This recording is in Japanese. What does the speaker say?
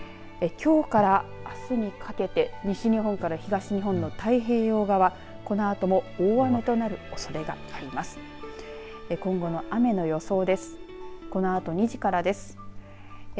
きょうから、あすにかけて西日本から東日本の太平洋側このあとも大雨となるおそれがあります。